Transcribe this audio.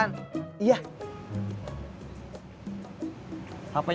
hpnya saya bawa dua duanya